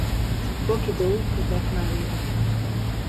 Baki Dou kötet mellé adtak.